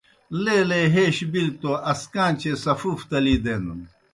لیلے ہَیش بِلیْ توْ اسکان٘چیئےسفوف تلی دینَن۔